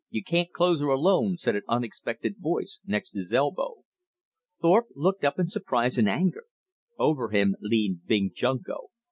You can't close her alone," said an unexpected voice next his elbow. Thorpe looked up in surprise and anger. Over him leaned Big Junko.